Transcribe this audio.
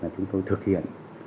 chúng tôi thực hiện